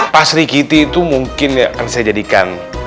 pak sri giti itu mungkin akan saya jadikan